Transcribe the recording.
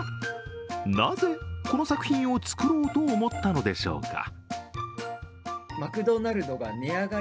なぜ、この作品を作ろうと思ったのでしょうか。